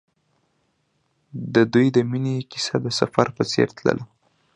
د دوی د مینې کیسه د سفر په څېر تلله.